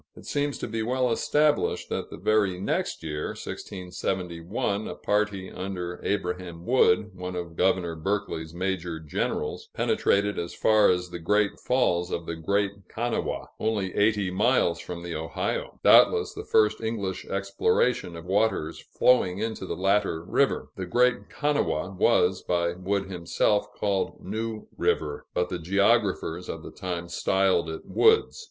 It seems to be well established that the very next year (1671), a party under Abraham Wood, one of Governor Berkeley's major generals, penetrated as far as the Great Falls of the Great Kanawha, only eighty miles from the Ohio doubtless the first English exploration of waters flowing into the latter river. The Great Kanawha was, by Wood himself, called New River, but the geographers of the time styled it Wood's.